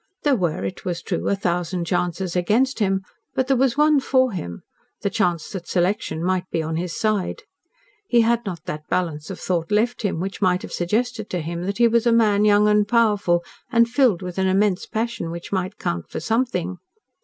There were, it was true, a thousand chances against him, but there was one for him the chance that selection might be on his side. He had not that balance of thought left which might have suggested to him that he was a man young and powerful, and filled with an immense passion which might count for something.